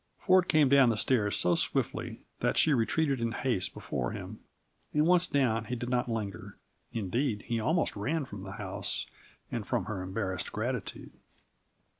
Ford came down the stairs so swiftly that she retreated in haste before him, and once down he did not linger; indeed, he almost ran from the house and from her embarrassed gratitude.